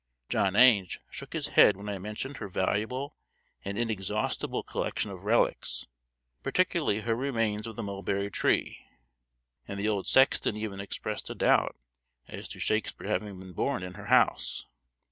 John Ange shook his head when I mentioned her valuable and inexhaustible collection of relics, particularly her remains of the mulberry tree; and the old sexton even expressed a doubt as to Shakespeare having been born in her house.